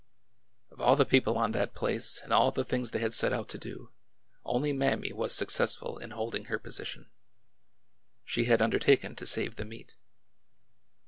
Of all the people on that place and all the things they had set out to do, only Mammy was successful in holding her position. She had undertaken to save the meat.